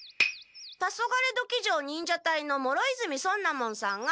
タソガレドキ城忍者隊の諸泉尊奈門さんが。